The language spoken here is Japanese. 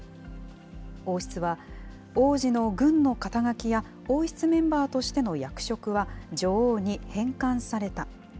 王室は、王子の軍の肩書や、王室メンバーとしての役職は、女王に返還された。